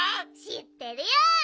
しってるよ。